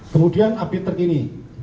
kemudian update terkini